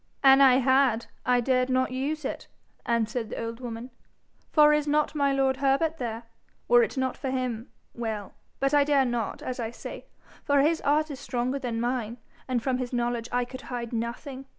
'An' I had, I dared not use it,' answered the old woman; 'for is not my lord Herbert there? Were it not for him well . But I dare not, as I say, for his art is stronger than mine, and from his knowledge I could hide nothing.